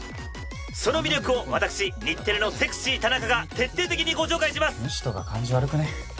その魅力を私日テレのセクシー田中が徹底的にご紹介します！